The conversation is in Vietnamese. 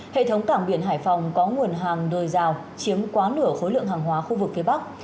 hệ thống cảng biển hải phòng có nguồn hàng dồi dào chiếm quá nửa khối lượng hàng hóa khu vực phía bắc